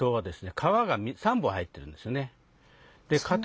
川が３本入ってるんですよね。